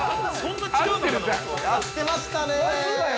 合ってましたね。